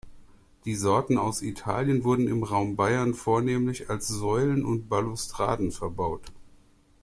Die Sorten aus Italien wurden im Raum Bayern vornehmlich als Säulen und Balustraden verbaut.